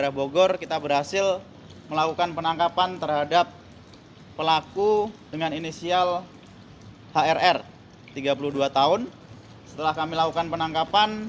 hai penangkapan terhadap pelaku dengan inisial hrr tiga puluh dua tahun setelah kami lakukan penangkapan